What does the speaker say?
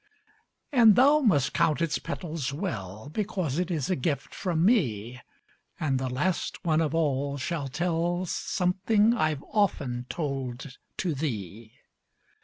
And thou must count its petals well, Because it is a gift from me; And the last one of all shall tell Something I've often told to thee.